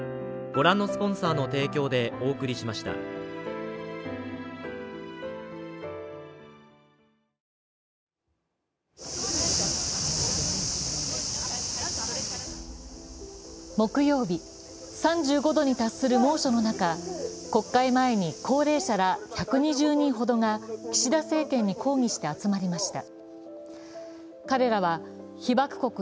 明治おいしい牛乳木曜日、３５度に達する猛暑の中、国会前に、高齢者ら１２０人ほどが岸田政権に抗議して集まりました。